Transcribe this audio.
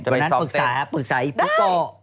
วันนั้นปรึกสายครับปรึกสายพุกโก